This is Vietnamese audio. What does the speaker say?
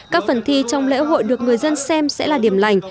các phần thi trong lễ hội được người dân xem sẽ là điểm lành